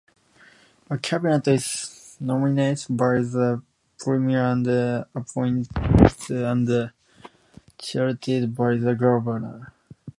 A cabinet is nominated by the Premier and appointed and chaired by the Governor.